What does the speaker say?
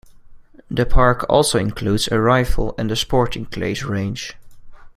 The park also includes a rifle and a sporting clays range.